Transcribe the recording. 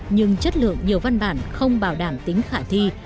nhưng chất lượng nhiều văn bản không bảo đảm tính khả thi